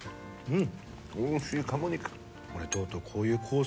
うん。